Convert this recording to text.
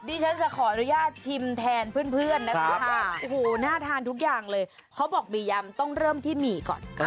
ดิฉันจะขออนุญาตชิมแทนเพื่อนนะคะโอ้โหน่าทานทุกอย่างเลยเขาบอกหมี่ยำต้องเริ่มที่หมี่ก่อน